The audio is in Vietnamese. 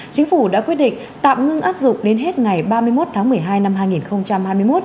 chính phủ đã quyết định tạm ngưng áp dụng đến hết ngày ba mươi một tháng một mươi hai năm hai nghìn hai mươi một